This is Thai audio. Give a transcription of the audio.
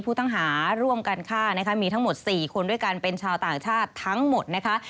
ผู้ต้องหาร่วมกันฆ่านะคะมีทั้งหมด๔คนด้วยกันเป็นชาวต่างชาติทั้งหมดนะคะ